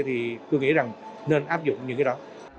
thì tôi nghĩ rằng nên áp dụng những cái đó